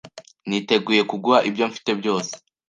Niteguye kuguha ibyo mfite byose